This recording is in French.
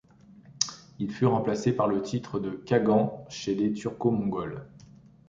Il fut remplacé par le titre de Khagan chez les turco-mongol.